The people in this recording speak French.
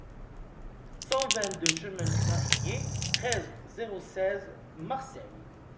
cent vingt-deux chemin du Marinier, treize, zéro seize, Marseille